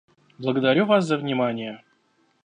Благодарю вас за внимание.